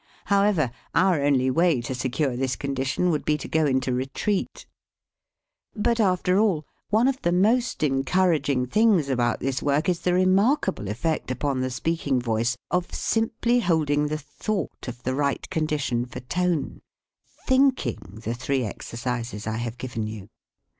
However, our only way to secure this condi tion would be to go into retreat; but, after all, one of the most encouraging things about this work is the remarkable effect upon the ' 13 THE SPEAKING VOICE speaking voice of simply holding the thought of the right condition for tone, thinking the three exercises I have given you.